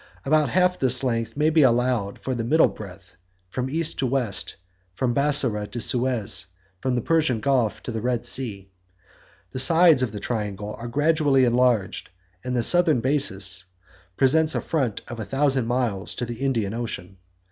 About half this length may be allowed for the middle breadth, from east to west, from Bassora to Suez, from the Persian Gulf to the Red Sea. 4 The sides of the triangle are gradually enlarged, and the southern basis presents a front of a thousand miles to the Indian Ocean.